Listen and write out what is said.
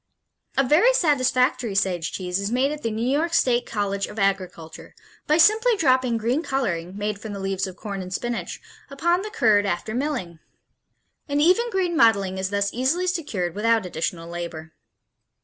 A very satisfactory Sage cheese is made at the New York State College of Agriculture by simply dropping green coloring, made from the leaves of corn and spinach, upon the curd, after milling. An even green mottling is thus easily secured without additional labor.